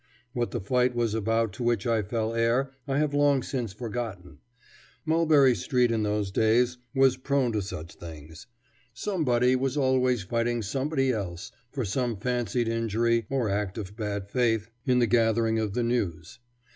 What the fight was about to which I fell heir I have long since forgotten. Mulberry Street in those days was prone to such things. Somebody was always fighting somebody else for some fancied injury or act of bad faith in the gathering of the news.